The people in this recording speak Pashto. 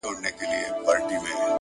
د عمل دوام استعداد معنا ورکوي.